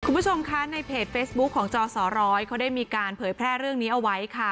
คุณผู้ชมคะในเพจเฟซบุ๊คของจอสร้อยเขาได้มีการเผยแพร่เรื่องนี้เอาไว้ค่ะ